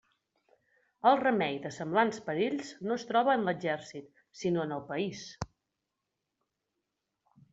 El remei de semblants perills no es troba en l'exèrcit, sinó en el país.